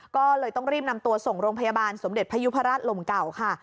ก็เลยต้องรีบนำตัวส่งโรงพยาบาลสมเด็จพยุพราชลมเก่าค่ะ